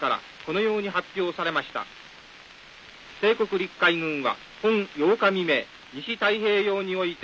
帝国陸海軍は本８日未明西太平洋において」。